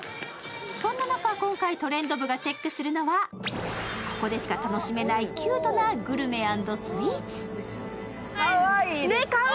そんな中、今回「トレンド部」がチェックするのは、ここでしか楽しめないキュートなグルメ＆スイーツ。